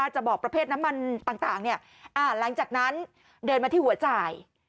จะบอกประเภทน้ำมันต่างหลังจากนั้นเดินมาที่หัวจ่าย